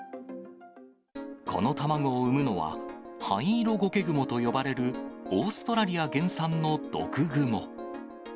この卵を産むのは、ハイイロゴケグモと呼ばれるオーストラリア原産の毒グモ。